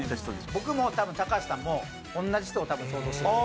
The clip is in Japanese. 僕も多分高橋さんも同じ人を想像してる。